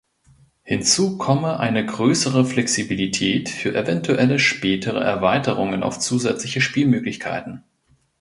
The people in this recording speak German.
Hinzu komme eine größere Flexibilität für eventuelle spätere Erweiterungen auf zusätzliche Spielmöglichkeiten.